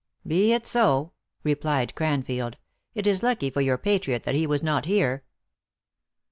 " Be it so," replied Cranfield. " It is lucky for your patriot that he was not here.